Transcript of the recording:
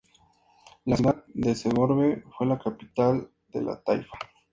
La ciudad de Segorbe fue la capital de la taifa.